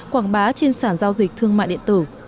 quảng bá trên sản giao dịch thương mại điện tử